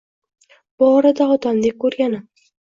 Bu orada otamdek koʻrganim